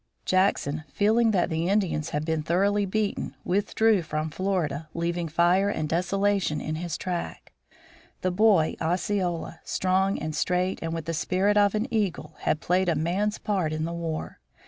Jackson, feeling that the Indians had been thoroughly beaten, withdrew from Florida, leaving fire and desolation in his track. The boy Osceola, strong and straight, and with the spirit of an eagle, had played a man's part in the war.